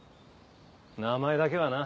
名前だけはな。